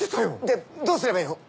でどうすればいいの？